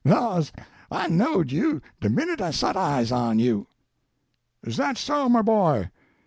Laws! I knowed you de minute I sot eyes on you." "Is that so, my boy?"